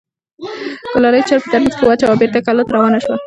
ګلالۍ چای په ترموز کې واچوه او بېرته کلا ته روانه شوه.